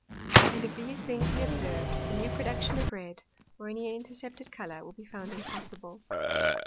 And if these things be observed, the new Production of red, or any intercepted Colour, will be found impossible.